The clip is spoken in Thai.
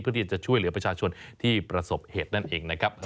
เพื่อที่จะช่วยเหลือประชาชนที่ประสบเหตุนั่นเองนะครับ